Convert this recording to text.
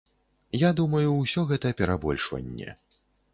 Я думаю, усё гэта перабольшванне.